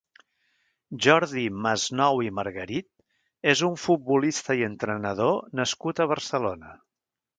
Jordi Masnou i Margarit és un futbolista i entrenador nascut a Barcelona.